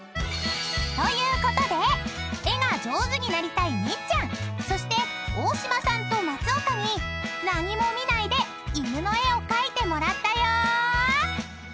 ［ということで絵が上手になりたいみっちゃんそして大島さんと松岡に何も見ないで犬の絵を描いてもらったよ］